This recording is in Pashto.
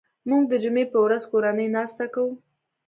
موږ د جمعې په ورځ کورنۍ ناسته کوو